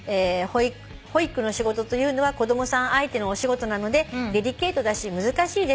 「保育の仕事というのは子供さん相手のお仕事なのでデリケートだし難しいです」